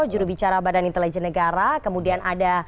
jurubicara badan intelijen negara kemudian ada